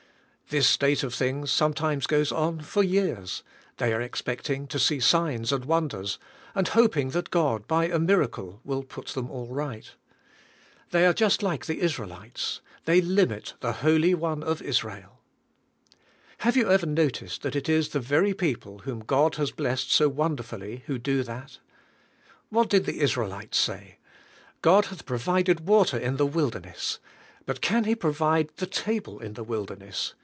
This state of things sometimes goes on for years — they are expecting to see signs and wonders, and hoping that God, by a miracle, will put them all right. They are just like the Israelites; they limit the Holy One of Israel. Have you ever noticed that it is the very people whom God has blessed so wonderfully who do that? What did the Israelites say? "God hath provided water in the wilderness. But can He provide the table in the wilderness?